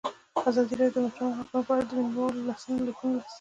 ازادي راډیو د د ماشومانو حقونه په اړه د مینه والو لیکونه لوستي.